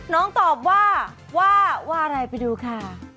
น้องตอบว่าว่าอะไรไปดูค่ะ